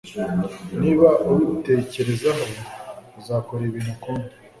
Niba ubitekerezaho, uzakora ibintu ukundi. ”